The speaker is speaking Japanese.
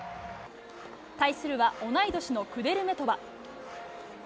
対するは同い年のクデルメトバ。